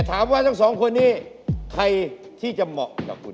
ถามว่าทั้งสองคนนี้ใครที่จะเหมาะกับคุณ